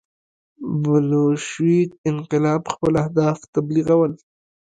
بلشویک انقلاب خپل اهداف تبلیغول.